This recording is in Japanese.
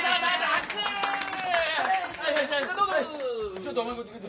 ちょっとお前こっち来て。